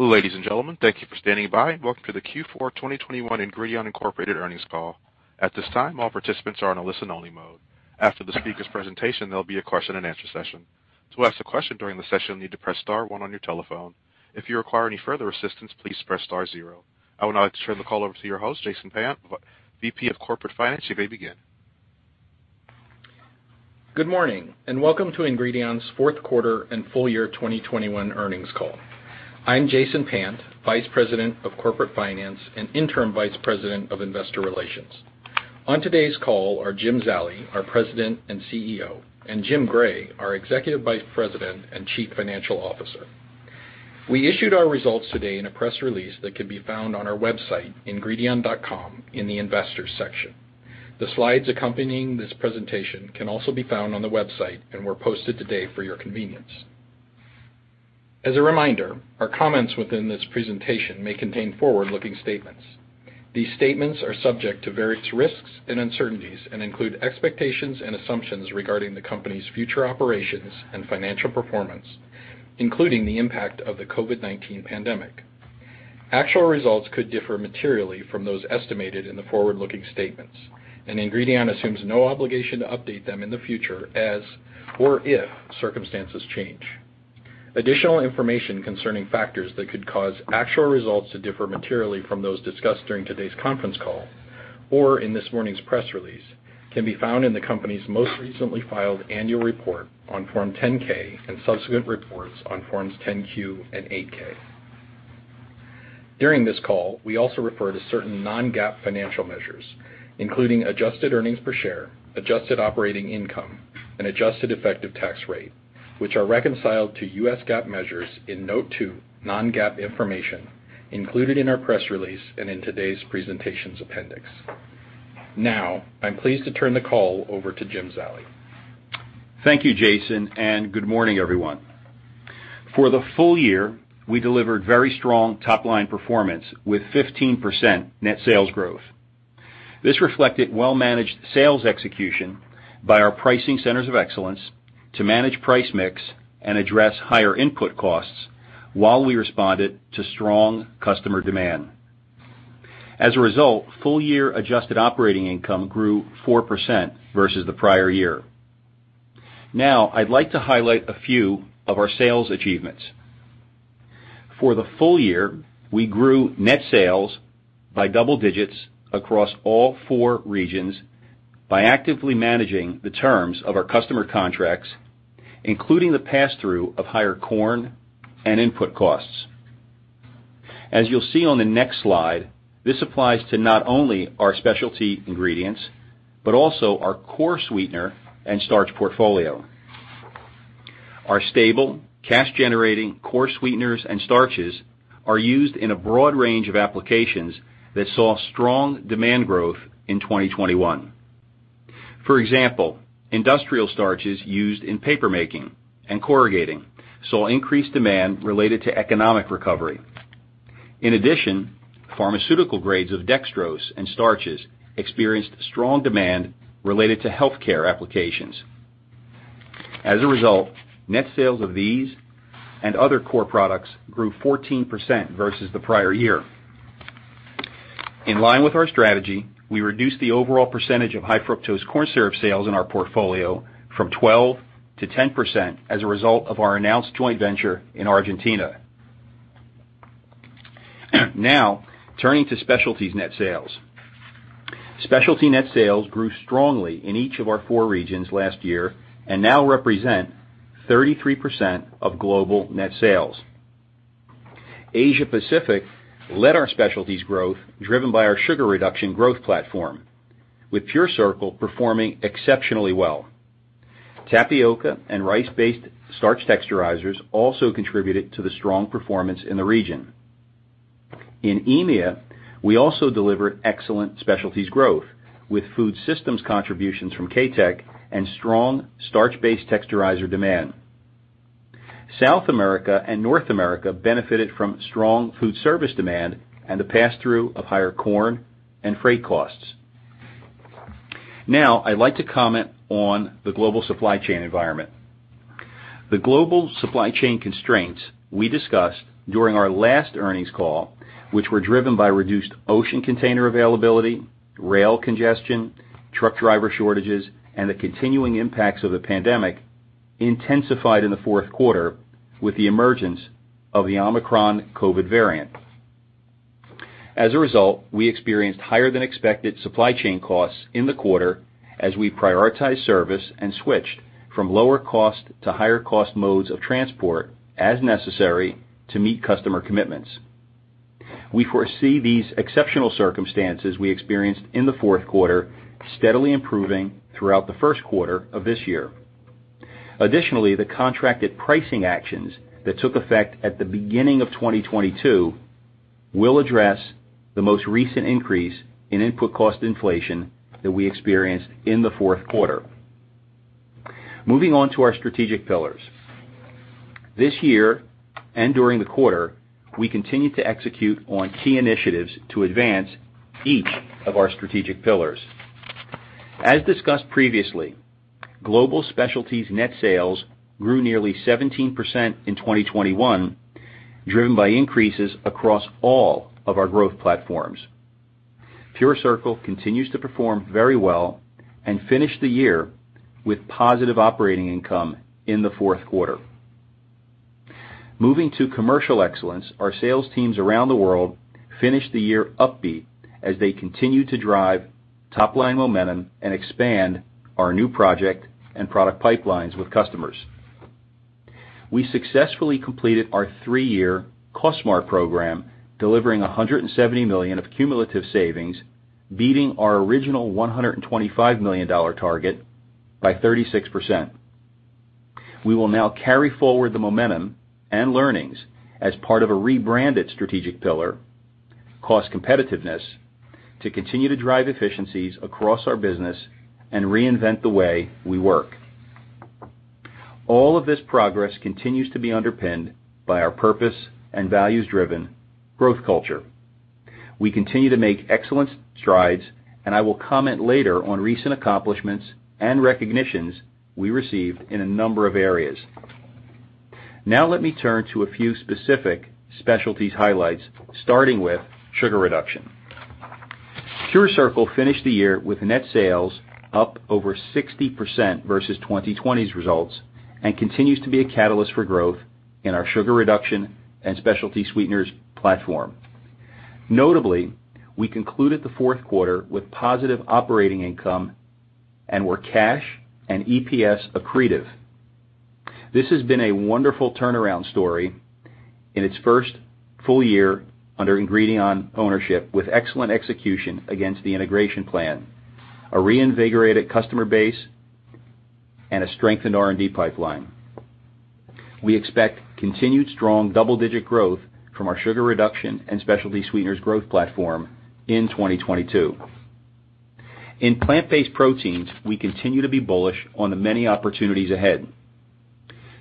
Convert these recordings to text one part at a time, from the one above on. Ladies and gentlemen, thank you for standing by. Welcome to the Q4 2021 Ingredion Incorporated Earnings Call. At this time, all participants are in a listen-only mode. After the speaker's presentation, there'll be a question-and-answer session. To ask a question during the session, you'll need to press star one on your telephone. If you require any further assistance, please press star zero. I would now like to turn the call over to your host, Jason Payant, VP of Corporate Finance. You may begin. Good morning, and welcome to Ingredion's fourth quarter and full year 2021 earnings call. I'm Jason Payant, Vice President of Corporate Finance and Interim Vice President of Investor Relations. On today's call are Jim Zallie, our President and CEO, and James Gray, our Executive Vice President and Chief Financial Officer. We issued our results today in a press release that can be found on our website, ingredion.com, in the Investors section. The slides accompanying this presentation can also be found on the website and were posted today for your convenience. As a reminder, our comments within this presentation may contain forward-looking statements. These statements are subject to various risks and uncertainties and include expectations and assumptions regarding the company's future operations and financial performance, including the impact of the COVID-19 pandemic. Actual results could differ materially from those estimated in the forward-looking statements, and Ingredion assumes no obligation to update them in the future as or if circumstances change. Additional information concerning factors that could cause actual results to differ materially from those discussed during today's conference call or in this morning's press release can be found in the company's most recently filed annual report on Form 10-K and subsequent reports on Form 10-Q and 8-K. During this call, we also refer to certain non-GAAP financial measures, including adjusted earnings per share, adjusted operating income, and adjusted effective tax rate, which are reconciled to U.S. GAAP measures in Note two, Non-GAAP Information, included in our press release and in today's presentations appendix. Now, I'm pleased to turn the call over to Jim Zallie. Thank you, Jason, and good morning, everyone. For the full year, we delivered very strong top-line performance with 15% net sales growth. This reflected well-managed sales execution by our pricing centers of excellence to manage price mix and address higher input costs while we responded to strong customer demand. As a result, full year adjusted operating income grew 4% versus the prior year. Now, I'd like to highlight a few of our sales achievements. For the full year, we grew net sales by double digits across all four regions by actively managing the terms of our customer contracts, including the pass-through of higher corn and input costs. As you'll see on the next slide, this applies to not only our specialty ingredients but also our core sweetener and starch portfolio. Our stable, cash-generating core sweeteners and starches are used in a broad range of applications that saw strong demand growth in 2021. For example, industrial starches used in paper-making and corrugating saw increased demand related to economic recovery. In addition, pharmaceutical grades of dextrose and starches experienced strong demand related to healthcare applications. As a result, net sales of these and other core products grew 14% versus the prior year. In line with our strategy, we reduced the overall percentage of high-fructose corn syrup sales in our portfolio from 12% to 10% as a result of our announced joint venture in Argentina. Now, turning to specialty net sales. Specialty net sales grew strongly in each of our four regions last year and now represent 33% of global net sales. Asia Pacific led our specialties growth, driven by our sugar reduction growth platform, with PureCircle performing exceptionally well. Tapioca and rice-based starch texturizers also contributed to the strong performance in the region. In EMEA, we also delivered excellent specialties growth with food systems contributions from KaTech and strong starch-based texturizer demand. South America and North America benefited from strong food service demand and the pass-through of higher corn and freight costs. Now, I'd like to comment on the global supply chain environment. The global supply chain constraints we discussed during our last earnings call, which were driven by reduced ocean container availability, rail congestion, truck driver shortages, and the continuing impacts of the pandemic, intensified in the fourth quarter with the emergence of the Omicron COVID-19 variant. As a result, we experienced higher-than-expected supply chain costs in the quarter as we prioritized service and switched from lower-cost to higher-cost modes of transport as necessary to meet customer commitments. We foresee these exceptional circumstances we experienced in the fourth quarter steadily improving throughout the first quarter of this year. Additionally, the contracted pricing actions that took effect at the beginning of 2022 will address the most recent increase in input cost inflation that we experienced in the fourth quarter. Moving on to our strategic pillars. This year and during the quarter, we continued to execute on key initiatives to advance each of our strategic pillars. As discussed previously, global specialties net sales grew nearly 17% in 2021, driven by increases across all of our growth platforms. PureCircle continues to perform very well and finished the year with positive operating income in the fourth quarter. Moving to commercial excellence, our sales teams around the world finished the year upbeat as they continue to drive top-line momentum and expand our new project and product pipelines with customers. We successfully completed our three-year Cost Smart program, delivering $170 million of cumulative savings, beating our original $125 million target by 36%. We will now carry forward the momentum and learnings as part of a rebranded strategic pillar, Cost Competitiveness, to continue to drive efficiencies across our business and reinvent the way we work. All of this progress continues to be underpinned by our purpose and values-driven growth culture. We continue to make excellent strides, and I will comment later on recent accomplishments and recognitions we received in a number of areas. Now let me turn to a few specific specialties highlights, starting with sugar reduction. PureCircle finished the year with net sales up over 60% versus 2020's results, and continues to be a catalyst for growth in our sugar reduction and specialty sweeteners platform. Notably, we concluded the fourth quarter with positive operating income and were cash and EPS accretive. This has been a wonderful turnaround story in its first full year under Ingredion ownership, with excellent execution against the integration plan, a reinvigorated customer base, and a strengthened R&D pipeline. We expect continued strong double-digit growth from our sugar reduction and specialty sweeteners growth platform in 2022. In plant-based proteins, we continue to be bullish on the many opportunities ahead.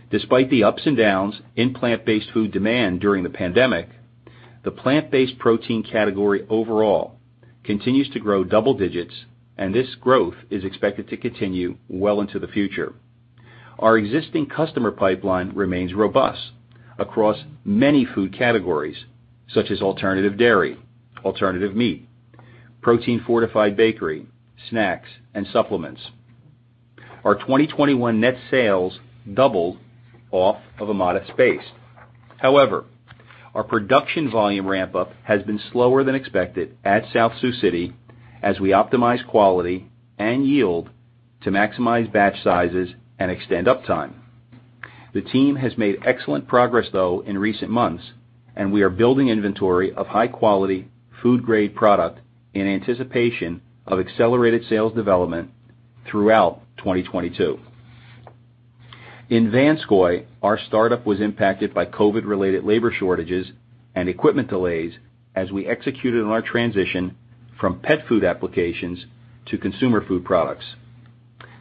Despite the ups and downs in plant-based food demand during the pandemic, the plant-based protein category overall continues to grow double digits, and this growth is expected to continue well into the future. Our existing customer pipeline remains robust across many food categories, such as alternative dairy, alternative meat, protein fortified bakery, snacks, and supplements. Our 2021 net sales doubled off of a modest base. However, our production volume ramp-up has been slower than expected at South Sioux City as we optimize quality and yield to maximize batch sizes and extend uptime. The team has made excellent progress, though, in recent months, and we are building inventory of high-quality food-grade product in anticipation of accelerated sales development throughout 2022. In Vanscoy, our startup was impacted by COVID-19-related labor shortages and equipment delays as we executed on our transition from pet food applications to consumer food products.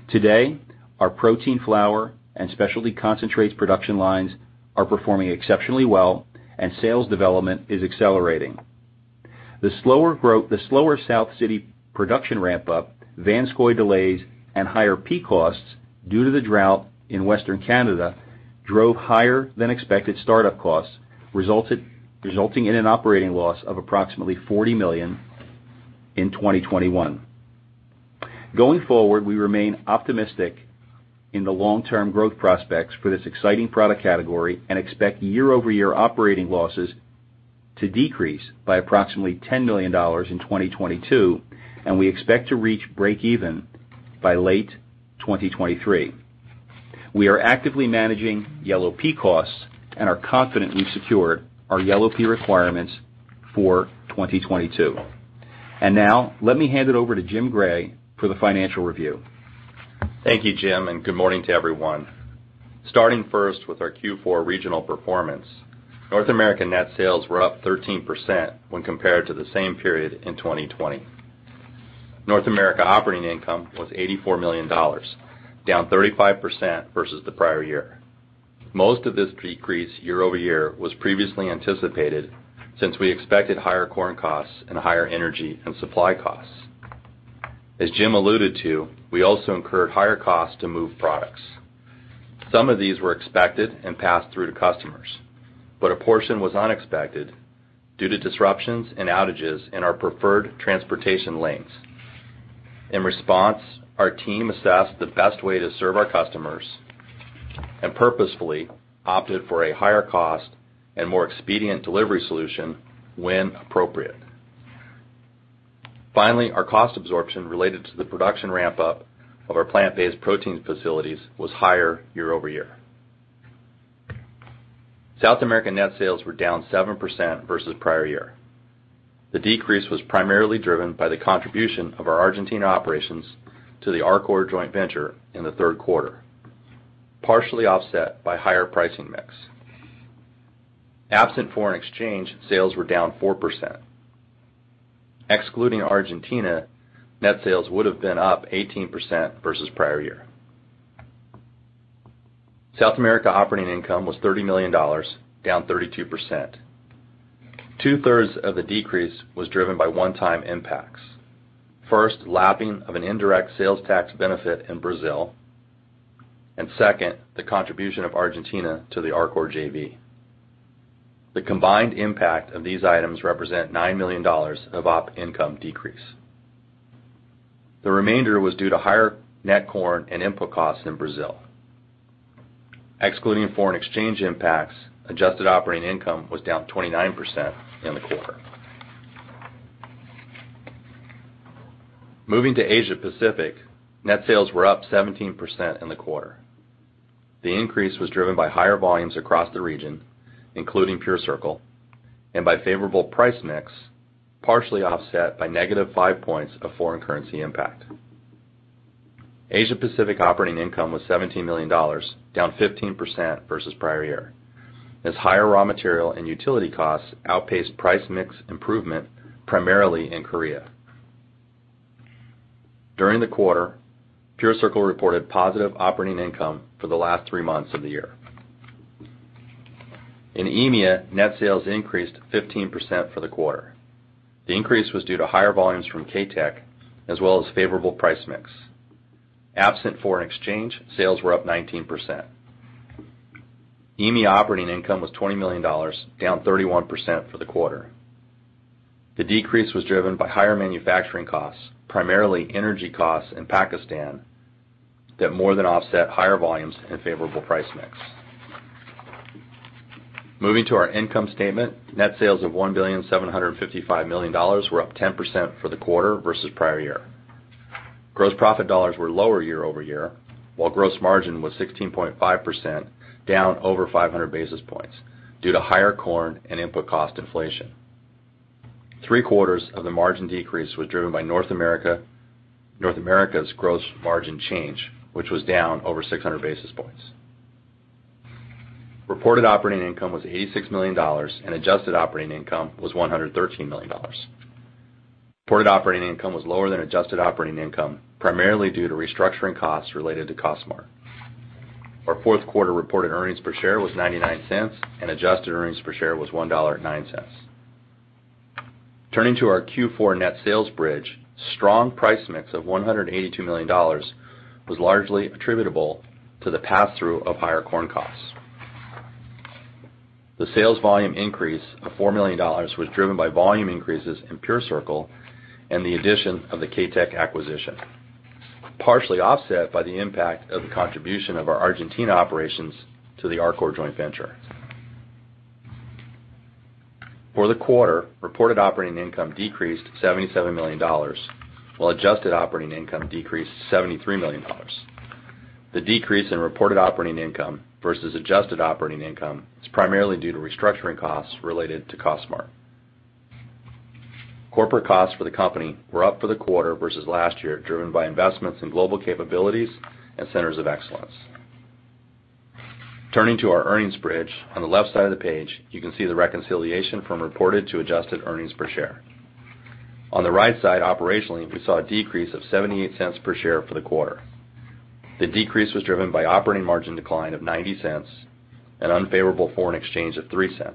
Today, our protein flour and specialty concentrates production lines are performing exceptionally well and sales development is accelerating. The slower South Sioux City production ramp-up, Vanscoy delays, and higher pea costs due to the drought in western Canada drove higher than expected startup costs, resulting in an operating loss of approximately $40 million in 2021. Going forward, we remain optimistic in the long-term growth prospects for this exciting product category and expect year-over-year operating losses to decrease by approximately $10 million in 2022, and we expect to reach break even by late 2023. We are actively managing yellow pea costs and are confident we've secured our yellow pea requirements for 2022. Now let me hand it over to Jim Gray for the financial review. Thank you, Jim, and good morning to everyone. Starting first with our Q4 regional performance, North American net sales were up 13% when compared to the same period in 2020. North America operating income was $84 million, down 35% versus the prior year. Most of this decrease year-over-year was previously anticipated since we expected higher corn costs and higher energy and supply costs. As Jim alluded to, we also incurred higher costs to move products. Some of these were expected and passed through to customers, but a portion was unexpected due to disruptions and outages in our preferred transportation lanes. In response, our team assessed the best way to serve our customers and purposefully opted for a higher cost and more expedient delivery solution when appropriate. Finally, our cost absorption related to the production ramp-up of our plant-based proteins facilities was higher year-over-year. South America net sales were down 7% versus prior year. The decrease was primarily driven by the contribution of our Argentina operations to the Arcor joint venture in the third quarter, partially offset by higher pricing mix. Absent foreign exchange, sales were down 4%. Excluding Argentina, net sales would have been up 18% versus prior year. South America operating income was $30 million, down 32%. Two-thirds of the decrease was driven by one-time impacts. First, lapping of an indirect sales tax benefit in Brazil, and second, the contribution of Argentina to the Arcor JV. The combined impact of these items represent $9 million of op income decrease. The remainder was due to higher net corn and input costs in Brazil. Excluding foreign exchange impacts, adjusted operating income was down 29% in the quarter. Moving to Asia Pacific, net sales were up 17% in the quarter. The increase was driven by higher volumes across the region, including PureCircle and by favorable price mix, partially offset by -5 points of foreign currency impact. Asia Pacific operating income was $17 million, down 15% versus prior year, as higher raw material and utility costs outpaced price mix improvement, primarily in Korea. During the quarter, PureCircle reported positive operating income for the last three months of the year. In EMEA, net sales increased 15% for the quarter. The increase was due to higher volumes from KaTech as well as favorable price mix. Absent foreign exchange, sales were up 19%. EMEA operating income was $20 million, down 31% for the quarter. The decrease was driven by higher manufacturing costs, primarily energy costs in Pakistan that more than offset higher volumes and favorable price mix. Moving to our income statement. Net sales of $1,755 million were up 10% for the quarter versus prior year. Gross profit dollars were lower year over year, while gross margin was 16.5% down over 500 basis points due to higher corn and input cost inflation. Three-quarters of the margin decrease was driven by North America's gross margin change, which was down over 600 basis points. Reported operating income was $86 million, and adjusted operating income was $113 million. Reported operating income was lower than adjusted operating income, primarily due to restructuring costs related to Cost Smart. Our fourth quarter reported earnings per share was $0.99, and adjusted earnings per share was $1.09. Turning to our Q4 net sales bridge, strong price mix of $182 million was largely attributable to the pass-through of higher corn costs. The sales volume increase of $4 million was driven by volume increases in PureCircle and the addition of the KaTech acquisition, partially offset by the impact of the contribution of our Argentina operations to the Arcor joint venture. For the quarter, reported operating income decreased $77 million, while adjusted operating income decreased $73 million. The decrease in reported operating income versus adjusted operating income is primarily due to restructuring costs related to Cost Smart. Corporate costs for the company were up for the quarter versus last year, driven by investments in global capabilities and centers of excellence. Turning to our earnings bridge. On the left side of the page, you can see the reconciliation from reported to adjusted earnings per share. On the right side, operationally, we saw a decrease of $0.78 per share for the quarter. The decrease was driven by operating margin decline of $0.90 and unfavorable foreign exchange of $0.03,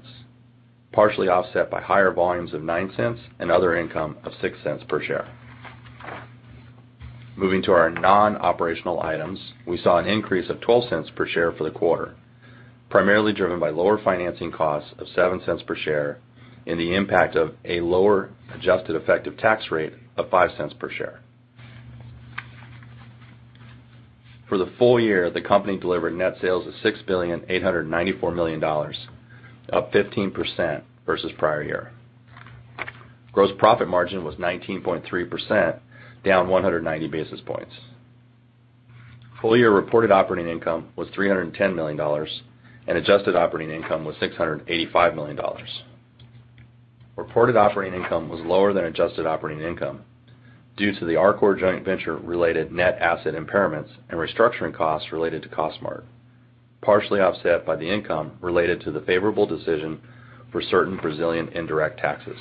partially offset by higher volumes of $0.09 and other income of $0.06 per share. Moving to our non-operational items, we saw an increase of $0.12 per share for the quarter, primarily driven by lower financing costs of $0.07 per share and the impact of a lower adjusted effective tax rate of $0.05 per share. For the full year, the company delivered net sales of $6.894 billion, up 15% versus prior year. Gross profit margin was 19.3%, down 190 basis points. Full-year reported operating income was $310 million, and adjusted operating income was $685 million. Reported operating income was lower than adjusted operating income due to the Arcor joint venture-related net asset impairments and restructuring costs related to Cost Smart, partially offset by the income related to the favorable decision for certain Brazilian indirect taxes.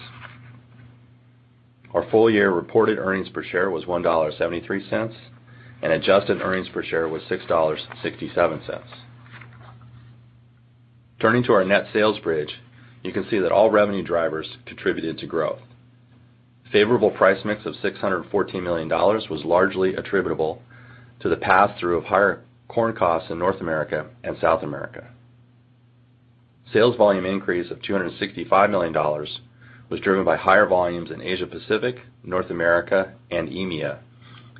Our full-year reported earnings per share was $1.73, and adjusted earnings per share was $6.67. Turning to our net sales bridge, you can see that all revenue drivers contributed to growth. Favorable price mix of $614 million was largely attributable to the pass-through of higher corn costs in North America and South America. Sales volume increase of $265 million was driven by higher volumes in Asia Pacific, North America, and EMEA,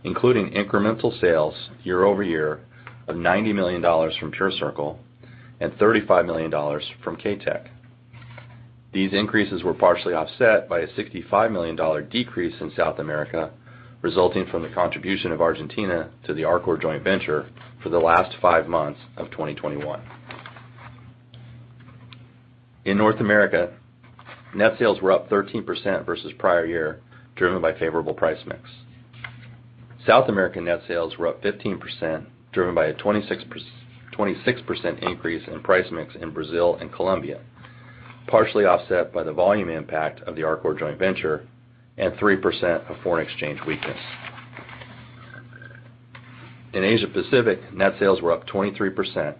including incremental sales year over year of $90 million from PureCircle and $35 million from KaTech. These increases were partially offset by a $65 million decrease in South America, resulting from the contribution of Argentina to the Arcor joint venture for the last five months of 2021. In North America, net sales were up 13% versus prior year, driven by favorable price mix. South American net sales were up 15%, driven by a 26% increase in price mix in Brazil and Colombia, partially offset by the volume impact of the Arcor joint venture and 3% foreign exchange weakness. In Asia Pacific, net sales were up 23%,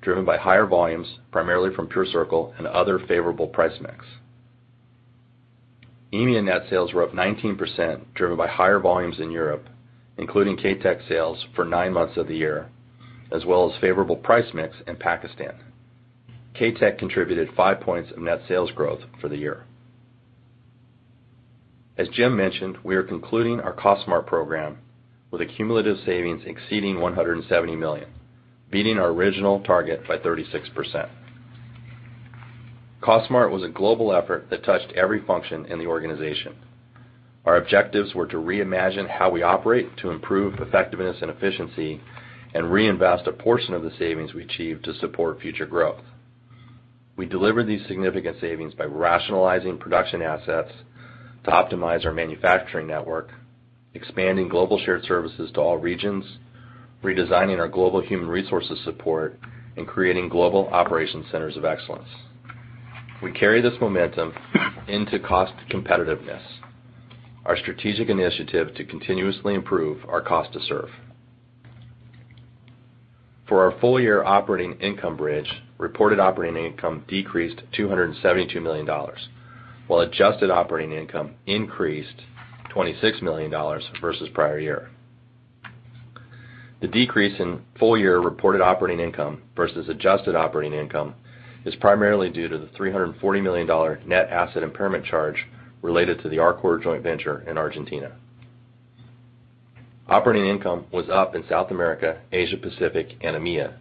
driven by higher volumes primarily from PureCircle and other favorable price mix. EMEA net sales were up 19%, driven by higher volumes in Europe, including KaTech sales for nine months of the year, as well as favorable price mix in Pakistan. KaTech contributed five points of net sales growth for the year. As Jim mentioned, we are concluding our Cost Smart program with cumulative savings exceeding $170 million, beating our original target by 36%. Cost Smart was a global effort that touched every function in the organization. Our objectives were to reimagine how we operate to improve effectiveness and efficiency and reinvest a portion of the savings we achieved to support future growth. We delivered these significant savings by rationalizing production assets to optimize our manufacturing network, expanding global shared services to all regions, redesigning our global human resources support, and creating global operation centers of excellence. We carry this momentum into cost competitiveness, our strategic initiative to continuously improve our cost to serve. For our full year operating income bridge, reported operating income decreased $272 million, while adjusted operating income increased $26 million versus prior year. The decrease in full year reported operating income versus adjusted operating income is primarily due to the $340 million net asset impairment charge related to the Arcor joint venture in Argentina. Operating income was up in South America, Asia Pacific and EMEA.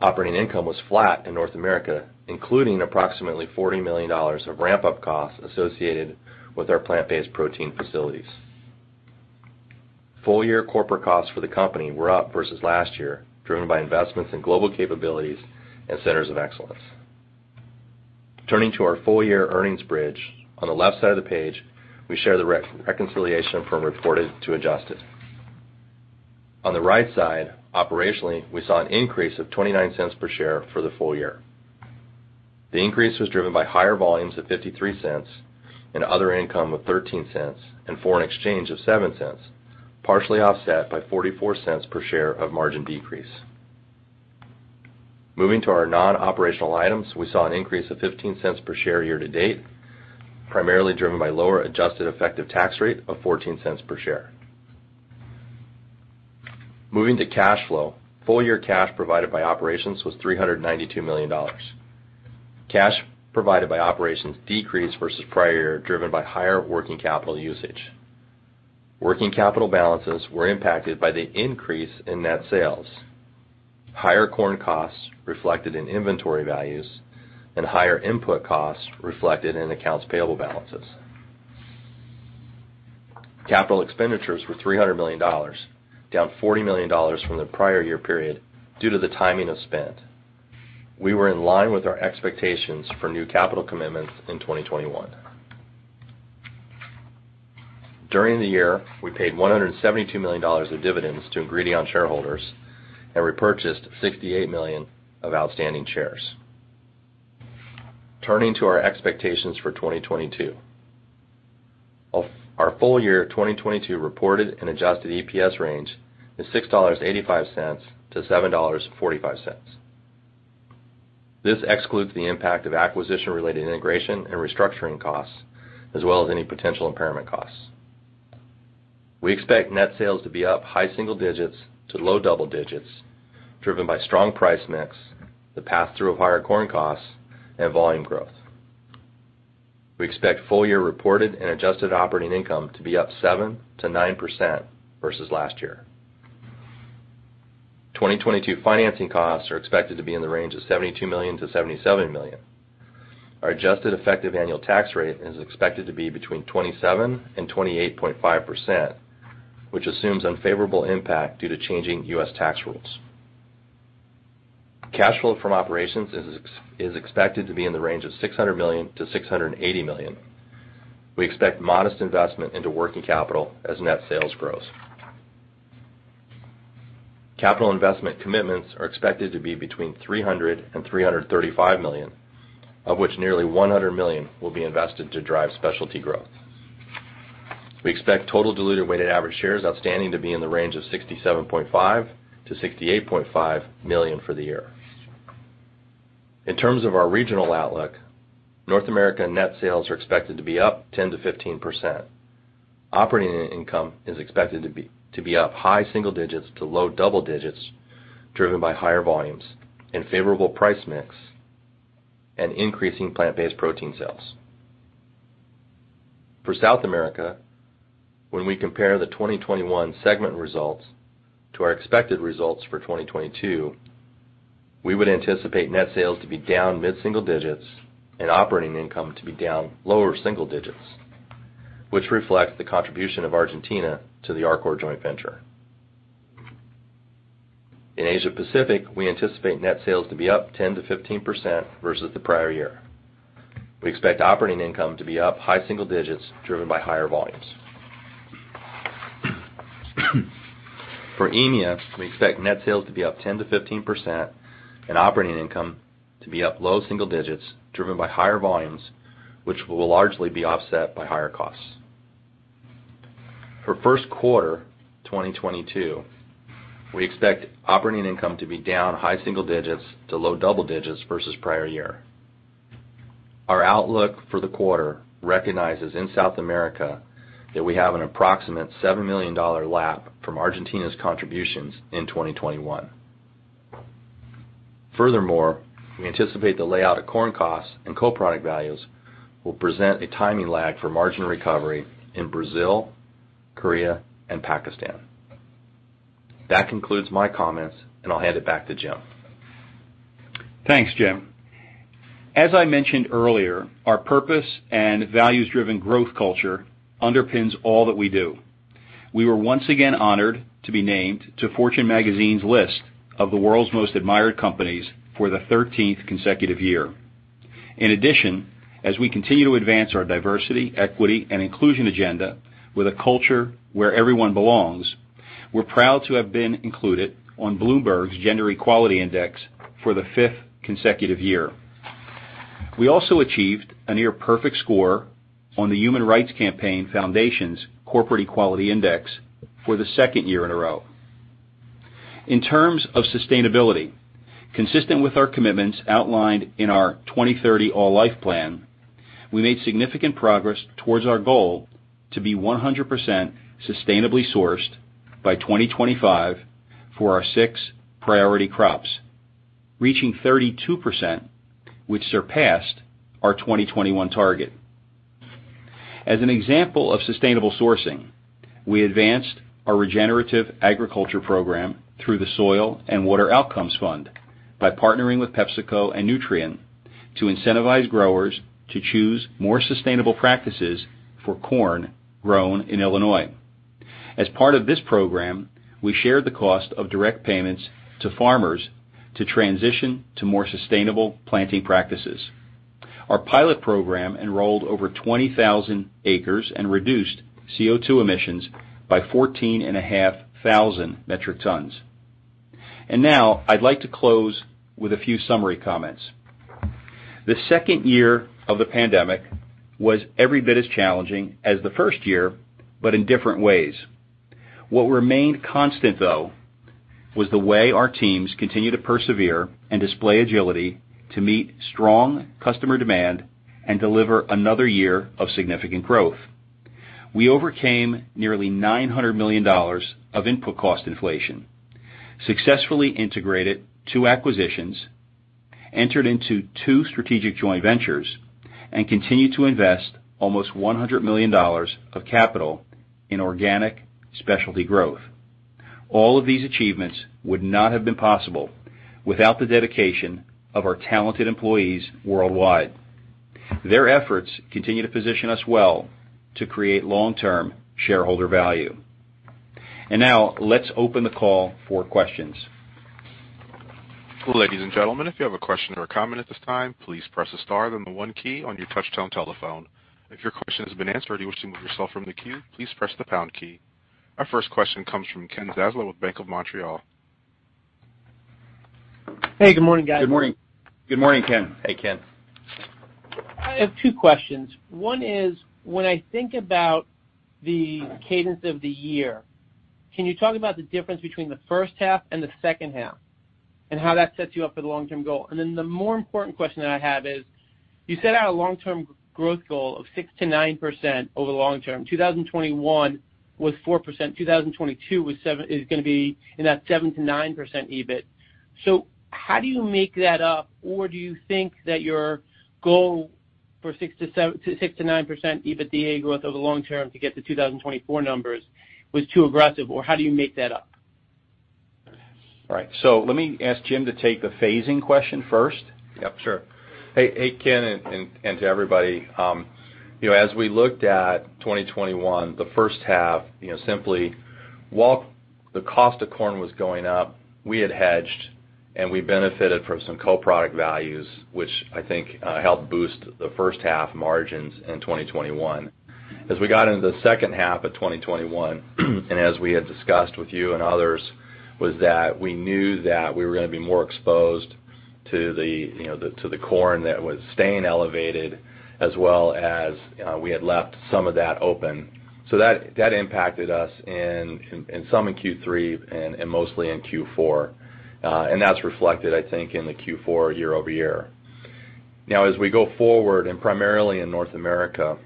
Operating income was flat in North America, including approximately $40 million of ramp-up costs associated with our plant-based protein facilities. Full year corporate costs for the company were up versus last year, driven by investments in global capabilities and centers of excellence. Turning to our full year earnings bridge. On the left side of the page, we share the reconciliation from reported to adjusted. On the right side, operationally, we saw an increase of $0.29 per share for the full year. The increase was driven by higher volumes of $0.53 and other income of $0.13 and foreign exchange of $0.07, partially offset by $0.44 per share of margin decrease. Moving to our non-operational items, we saw an increase of $0.15 per share year to date, primarily driven by lower adjusted effective tax rate of $0.14 per share. Moving to cash flow, full year cash provided by operations was $392 million. Cash provided by operations decreased versus prior year, driven by higher working capital usage. Working capital balances were impacted by the increase in net sales. Higher corn costs reflected in inventory values and higher input costs reflected in accounts payable balances. Capital expenditures were $300 million, down $40 million from the prior year period due to the timing of spend. We were in line with our expectations for new capital commitments in 2021. During the year, we paid $172 million of dividends to Ingredion shareholders and repurchased 68 million of outstanding shares. Turning to our expectations for 2022. Our full year 2022 reported and adjusted EPS range is $6.85-$7.45. This excludes the impact of acquisition related integration and restructuring costs, as well as any potential impairment costs. We expect net sales to be up high single digits to low double digits, driven by strong price mix, the pass-through of higher corn costs and volume growth. We expect full year reported and adjusted operating income to be up 7%-9% versus last year. 2022 financing costs are expected to be in the range of $72 million to $77 million. Our adjusted effective annual tax rate is expected to be between 27% and 28.5%, which assumes unfavorable impact due to changing U.S. tax rules. Cash flow from operations is expected to be in the range of $600 million to $680 million. We expect modest investment into working capital as net sales grows. Capital investment commitments are expected to be between $300 million to $335 million, of which nearly $100 million will be invested to drive specialty growth. We expect total diluted weighted average shares outstanding to be in the range of 67.5 million to 68.5 million for the year. In terms of our regional outlook, North America net sales are expected to be up 10%-15%. Operating income is expected to be up high single digits% to low double digits%, driven by higher volumes and favorable price mix and increasing plant-based protein sales. For South America, when we compare the 2021 segment results to our expected results for 2022, we would anticipate net sales to be down mid-single digits% and operating income to be down lower single digits%, which reflects the contribution of Argentina to the Arcor joint venture. In Asia Pacific, we anticipate net sales to be up 10%-15% versus the prior year. We expect operating income to be up high single digits% driven by higher volumes. For EMEA, we expect net sales to be up 10%-15% and operating income to be up low single digits%, driven by higher volumes, which will largely be offset by higher costs. For first quarter 2022, we expect operating income to be down high single digits% to low double digits% versus prior year. Our outlook for the quarter recognizes in South America that we have an approximate $7 million lap from Argentina's contributions in 2021. Furthermore, we anticipate the layout of corn costs and co-product values will present a timing lag for margin recovery in Brazil, Korea, and Pakistan. That concludes my comments, and I'll hand it back to Jim. Thanks, Jim. As I mentioned earlier, our purpose and values-driven growth culture underpins all that we do. We were once again honored to be named to Fortune's list of the world's most admired companies for the 13th consecutive year. In addition, as we continue to advance our diversity, equity and inclusion agenda with a culture where everyone belongs, we're proud to have been included on Bloomberg's Gender-Equality Index for the fifth consecutive year. We also achieved a near perfect score on the Human Rights Campaign Foundation's Corporate Equality Index for the second year in a row. In terms of sustainability, consistent with our commitments outlined in our 2030 All Life plan, we made significant progress towards our goal to be 100% sustainably sourced by 2025 for our six priority crops, reaching 32%, which surpassed our 2021 target. As an example of sustainable sourcing, we advanced our regenerative agriculture program through the Soil and Water Outcomes Fund by partnering with PepsiCo and Nutrien to incentivize growers to choose more sustainable practices for corn grown in Illinois. As part of this program, we shared the cost of direct payments to farmers to transition to more sustainable planting practices. Our pilot program enrolled over 20,000 acres and reduced CO2 emissions by 14,500 metric tons. Now I'd like to close with a few summary comments. The second year of the pandemic was every bit as challenging as the first year, but in different ways. What remained constant, though, was the way our teams continue to persevere and display agility to meet strong customer demand and deliver another year of significant growth. We overcame nearly $900 million of input cost inflation, successfully integrated two acquisitions, entered into two strategic joint ventures, and continued to invest almost $100 million of capital in organic specialty growth. All of these achievements would not have been possible without the dedication of our talented employees worldwide. Their efforts continue to position us well to create long-term shareholder value. Now let's open the call for questions. Ladies and gentlemen, if you have a question or comment at this time, please press the star, then the one key on your touchtone telephone. If your question has been answered or you wish to remove yourself from the queue, please press the pound key. Our first question comes from Ken Zaslow with BMO Capital Markets. Hey, good morning, guys. Good morning. Good morning, Ken. Hey, Ken. I have two questions. One is, when I think about the cadence of the year, can you talk about the difference between the first half and the second half and how that sets you up for the long-term goal? The more important question that I have is, you set out a long-term growth goal of 6%-9% over the long term. 2021 was 4%. 2022 was 7% – is going to be in that 7%-9% EBIT. So how do you make that up? Or do you think that your goal for 6%-9% EBITDA growth over the long term to get the 2024 numbers was too aggressive, or how do you make that up? All right. Let me ask Jim to take the phasing question first. Yep, sure. Hey, Ken, and to everybody. You know, as we looked at 2021, the first half, you know, simply while the cost of corn was going up, we had hedged and we benefited from some co-product values, which I think helped boost the first half margins in 2021. As we got into the second half of 2021, and as we had discussed with you and others, was that we knew that we were going to be more exposed to the, you know, to the corn that was staying elevated as well as, you know, we had left some of that open. That impacted us in some in Q3 and mostly in Q4. That's reflected, I think, in the Q4 year-over-year. Now as we go forward, and primarily in North America,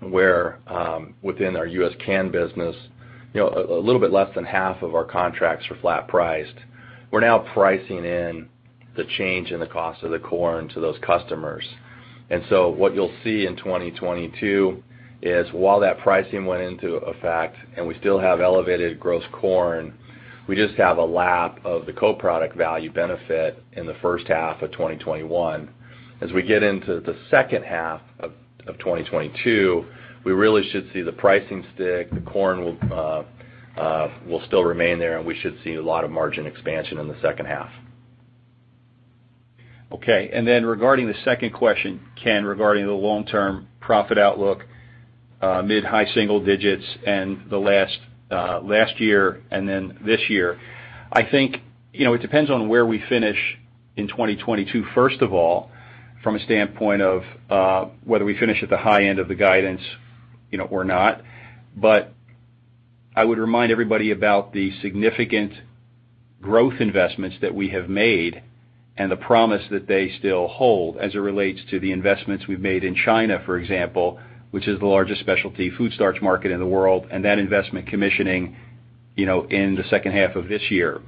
where within our U.S. canned business, you know, a little bit less than half of our contracts are flat priced. We're now pricing in the change in the cost of the corn to those customers. What you'll see in 2022 is while that pricing went into effect and we still have elevated gross corn, we just have a lap of the co-product value benefit in the first half of 2021. As we get into the second half of 2022, we really should see the pricing stick. The corn will still remain there, and we should see a lot of margin expansion in the second half. Okay. Regarding the second question, Ken, regarding the long-term profit outlook, mid-high single digits and the last year and then this year, I think, you know, it depends on where we finish in 2022, first of all, from a standpoint of, whether we finish at the high end of the guidance, you know, or not. I would remind everybody about the significant growth investments that we have made and the promise that they still hold as it relates to the investments we've made in China, for example, which is the largest specialty food starch market in the world, and that investment commissioning, you know, in the second half of this year.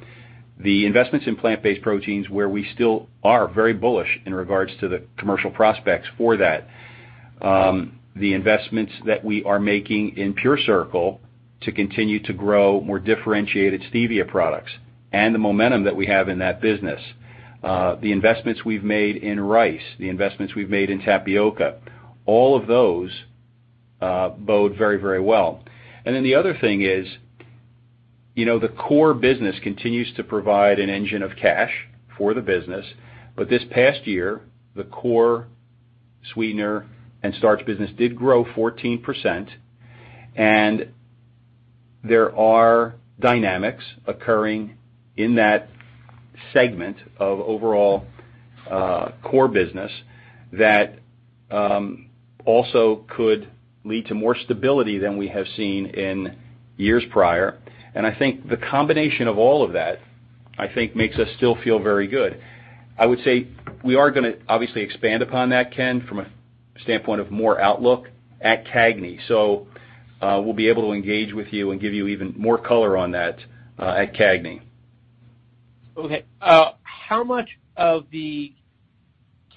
The investments in plant-based proteins where we still are very bullish in regards to the commercial prospects for that. The investments that we are making in PureCircle to continue to grow more differentiated stevia products and the momentum that we have in that business. The investments we've made in rice, the investments we've made in tapioca, all of those bode very, very well. The other thing is, you know, the core business continues to provide an engine of cash for the business. This past year, the core sweetener and starch business did grow 14%. There are dynamics occurring in that segment of overall core business that also could lead to more stability than we have seen in years prior. I think the combination of all of that, I think makes us still feel very good. I would say we are going to obviously expand upon that, Ken, from a standpoint of more outlook at CAGNY. We'll be able to engage with you and give you even more color on that at CAGNY. Okay. How much of the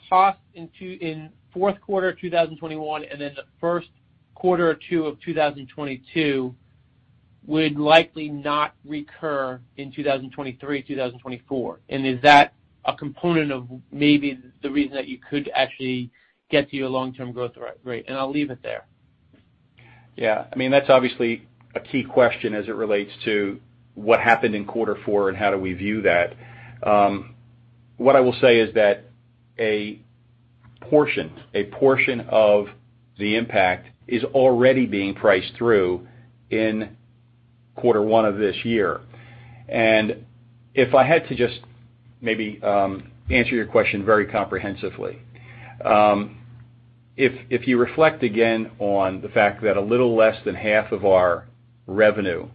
cost in fourth quarter 2021 and then the first quarter or two of 2022 would likely not recur in 2023, 2024? And is that a component of maybe the reason that you could actually get to your long-term growth rate? And I'll leave it there. Yeah. I mean, that's obviously a key question as it relates to what happened in quarter four and how do we view that. What I will say is that a portion of the impact is already being priced through in quarter one of this year. If I had to just maybe answer your question very comprehensively. If you reflect again on the fact that a little less than half of our revenue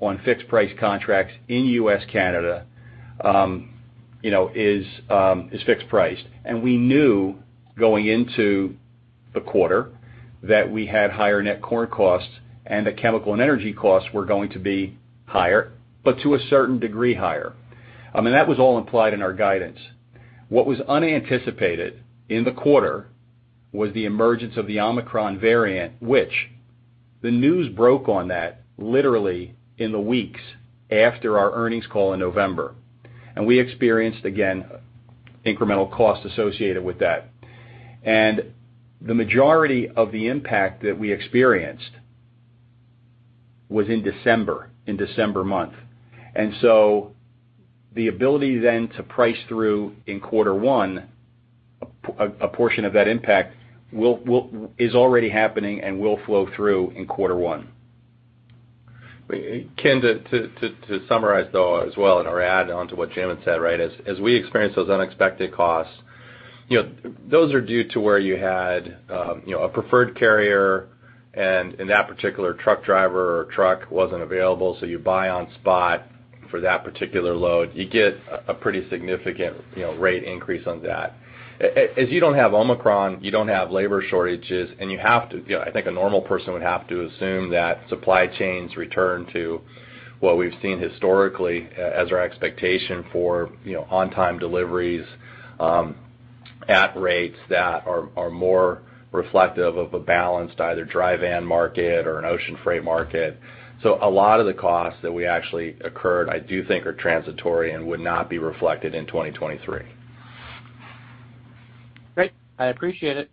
on fixed price contracts in U.S., Canada, you know, is fixed priced. We knew going into the quarter that we had higher net corn costs and the chemical and energy costs were going to be higher, but to a certain degree higher. I mean, that was all implied in our guidance. What was unanticipated in the quarter was the emergence of the Omicron variant, which the news broke on that literally in the weeks after our earnings call in November. We experienced, again, incremental costs associated with that. The majority of the impact that we experienced was in December. The ability then to price through in quarter one a portion of that impact is already happening and will flow through in quarter one. Ken, to summarize though as well or add on to what Jim had said, right? As we experience those unexpected costs, you know, those are due to where you had, you know, a preferred carrier, and in that particular truck driver or truck wasn't available, so you buy on spot for that particular load. You get a pretty significant, you know, rate increase on that. As you don't have Omicron, you don't have labor shortages. You know, I think a normal person would have to assume that supply chains return to what we've seen historically as our expectation for, you know, on-time deliveries at rates that are more reflective of a balanced either dry van market or an ocean freight market. A lot of the costs that we actually incurred, I do think are transitory and would not be reflected in 2023. Great. I appreciate it.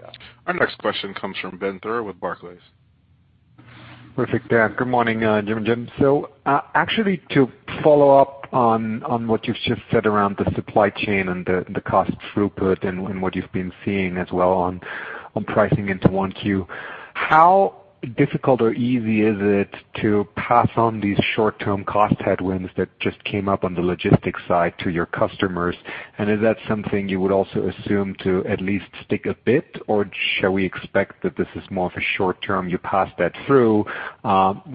Yeah. Our next question comes from Benjamin Theurer with Barclays. Perfect. Yeah. Good morning, Jim and Jim. Actually, to follow up on what you've just said around the supply chain and the cost throughput and what you've been seeing as well on pricing into 1Q. How difficult or easy is it to pass on these short-term cost headwinds that just came up on the logistics side to your customers? Is that something you would also assume to at least stick a bit, or shall we expect that this is more of a short term, you pass that through,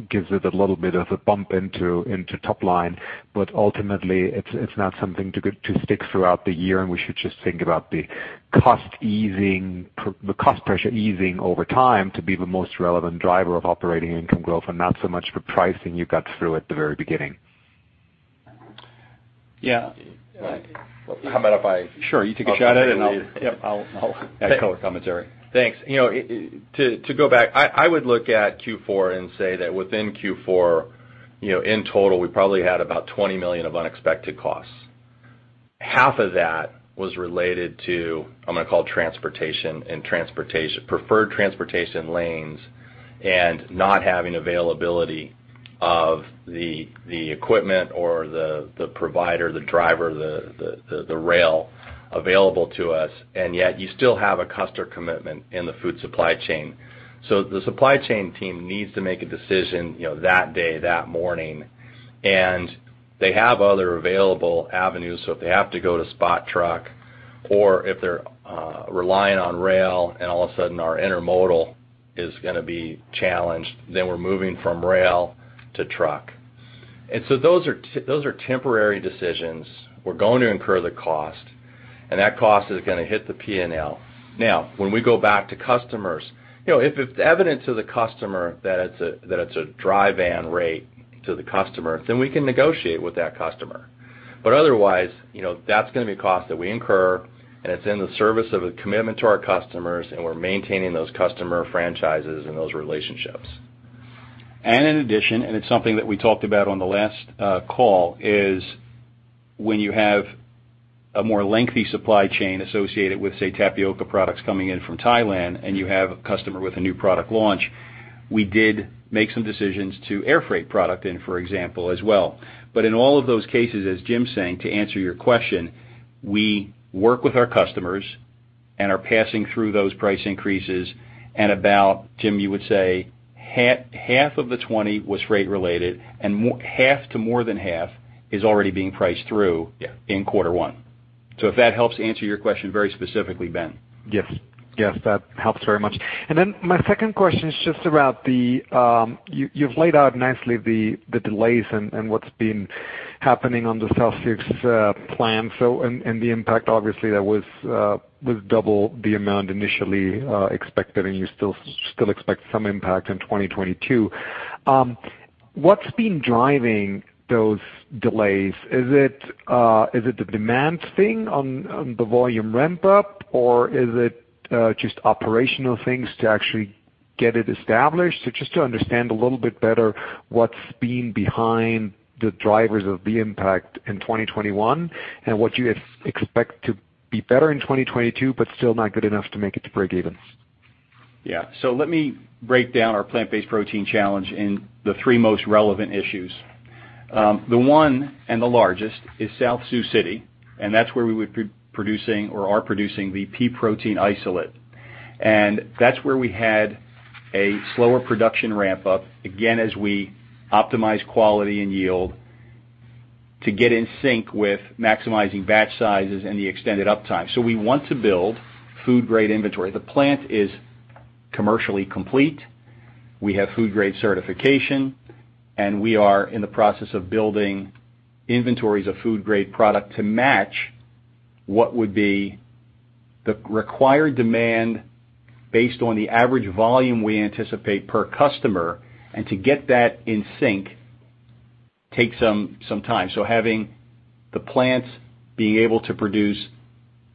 gives it a little bit of a bump into top line, but ultimately, it's not something to stick throughout the year, and we should just think about the cost pressure easing over time to be the most relevant driver of operating income growth and not so much the pricing you got through at the very beginning? Yeah. How about if I- Sure. You take a shot at it and I'll- Yeah. I'll add color commentary. Thanks. You know, to go back, I would look at Q4 and say that within Q4, you know, in total, we probably had about $20 million of unexpected costs. Half of that was related to, I'm going to call it transportation preferred transportation lanes and not having availability of the equipment or the provider, the driver, the rail available to us. Yet you still have a customer commitment in the food supply chain. The supply chain team needs to make a decision, you know, that day, that morning, and they have other available avenues. If they have to go to spot truck or if they're relying on rail and all of a sudden our intermodal is going to be challenged, then we're moving from rail to truck. Those are temporary decisions. We're going to incur the cost, and that cost is going to hit the P&L. Now, when we go back to customers, you know, if it's evident to the customer that it's a dry van rate to the customer, then we can negotiate with that customer. But otherwise, you know, that's going to be cost that we incur, and it's in the service of a commitment to our customers, and we're maintaining those customer franchises and those relationships. In addition, it's something that we talked about on the last call, is when you have a more lengthy supply chain associated with, say, tapioca products coming in from Thailand, and you have a customer with a new product launch, we did make some decisions to airfreight product in, for example, as well. In all of those cases, as Jim's saying, to answer your question, we work with our customers and are passing through those price increases at about, Jim, you would say, half of the 20 was rate related and half to more than half is already being priced through- Yeah... in quarter one. If that helps answer your question very specifically, Ben. Yes. Yes, that helps very much. My second question is just about the you've laid out nicely the delays and what's been happening on the South Sioux City plant. The impact obviously that was double the amount initially expected, and you still expect some impact in 2022. What's been driving those delays? Is it the demand thing on the volume ramp up? Or is it just operational things to actually get it established? Just to understand a little bit better what's been behind the drivers of the impact in 2021 and what you expect to be better in 2022, but still not good enough to make it to breakevens. Yeah. Let me break down our plant-based protein challenge in the three most relevant issues. The one and the largest is South Sioux City, and that's where we would be producing or are producing the pea protein isolate. And that's where we had a slower production ramp up, again, as we optimize quality and yield to get in sync with maximizing batch sizes and the extended uptime. We want to build food grade inventory. The plant is commercially complete. We have food grade certification, and we are in the process of building inventories of food grade product to match what would be the required demand based on the average volume we anticipate per customer. To get that in sync takes some time. Having the plants being able to produce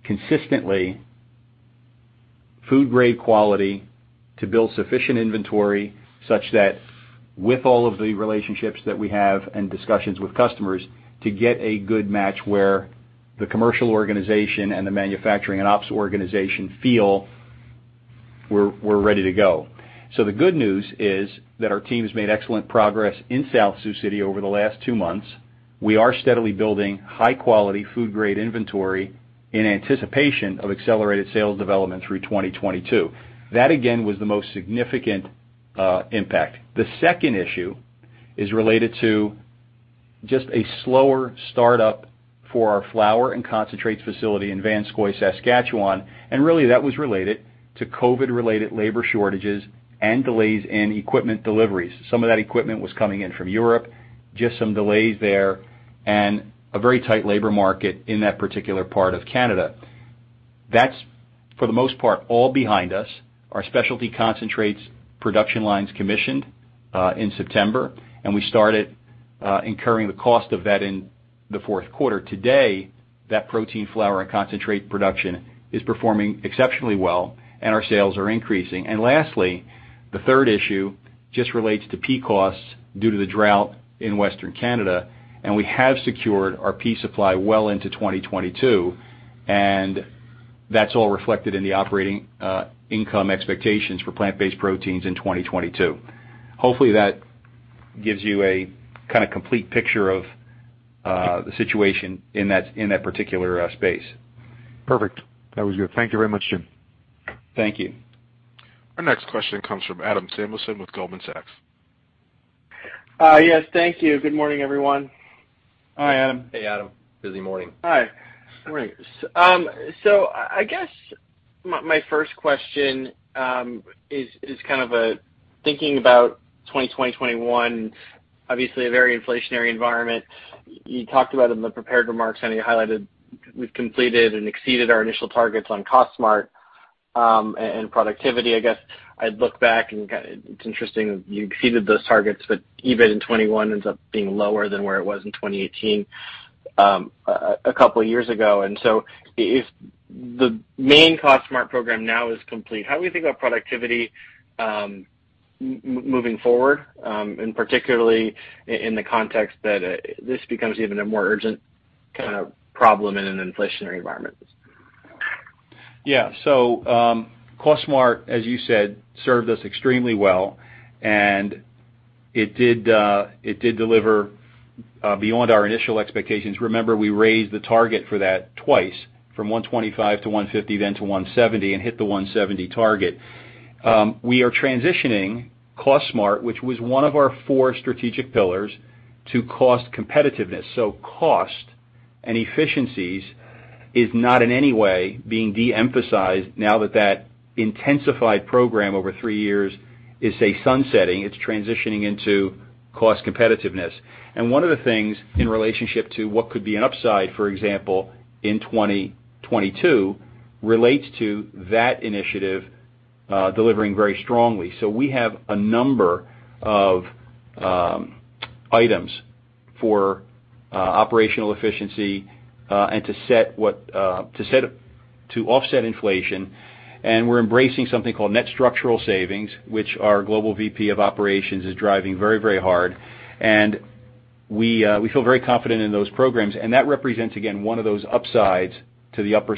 consistently food-grade quality to build sufficient inventory such that with all of the relationships that we have and discussions with customers to get a good match where the commercial organization and the manufacturing and ops organization feel we're ready to go. The good news is that our team has made excellent progress in South Sioux City over the last two months. We are steadily building high-quality food-grade inventory in anticipation of accelerated sales development through 2022. That, again, was the most significant impact. The second issue is related to just a slower startup for our flour and concentrates facility in Vanscoy, Saskatchewan. Really, that was related to COVID-related labor shortages and delays in equipment deliveries. Some of that equipment was coming in from Europe, just some delays there and a very tight labor market in that particular part of Canada. That's, for the most part, all behind us. Our specialty concentrates production lines commissioned in September, and we started incurring the cost of that in the fourth quarter. Today, that protein flour and concentrate production is performing exceptionally well, and our sales are increasing. Lastly, the third issue just relates to pea costs due to the drought in Western Canada. We have secured our pea supply well into 2022, and that's all reflected in the operating income expectations for plant-based proteins in 2022. Hopefully, that gives you a kind of complete picture of the situation in that particular space. Perfect. That was good. Thank you very much, Jim. Thank you. Our next question comes from Adam Samuelson with Goldman Sachs. Yes, thank you. Good morning, everyone. Hi, Adam. Hey, Adam. Busy morning. Hi. Good morning. So I guess my first question is kind of thinking about 2020, 2021, obviously a very inflationary environment. You talked about in the prepared remarks, and you highlighted we've completed and exceeded our initial targets on Cost Smart and productivity, I guess. I'd look back and it's interesting you exceeded those targets, but EBIT in 2021 ends up being lower than where it was in 2018, a couple of years ago. If the main Cost Smart program now is complete, how are we thinking about productivity moving forward, and particularly in the context that this becomes even a more urgent kind of problem in an inflationary environment? Cost Smart, as you said, served us extremely well, and it did deliver beyond our initial expectations. Remember, we raised the target for that twice from $125 million to $150 million then to $170 million and hit the $170 million target. We are transitioning Cost Smart, which was one of our four strategic pillars, to cost competitiveness. Cost and efficiencies is not in any way being de-emphasized now that the intensified program over three years is sunsetting. It's transitioning into cost competitiveness. One of the things in relationship to what could be an upside, for example, in 2022, relates to that initiative delivering very strongly. We have a number of items for operational efficiency and to offset inflation. We're embracing something called net structural savings, which our global VP of operations is driving very, very hard. We feel very confident in those programs. That represents again one of those upsides to the upper